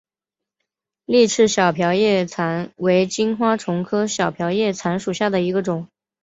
丽翅小瓢叶蚤为金花虫科小瓢叶蚤属下的一个种。